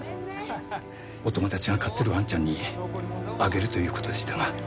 お友達が飼ってるワンちゃんにあげるという事でしたが。